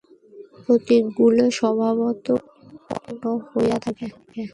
প্রতীকগুলি স্বভাবত উৎপন্ন হইয়া থাকে।